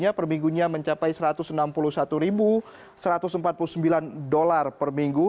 per minggunya mencapai satu ratus enam puluh satu satu ratus empat puluh sembilan dolar per minggu